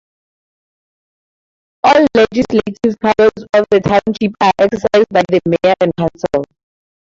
All Legislative powers of the Township are exercised by the Mayor and Council.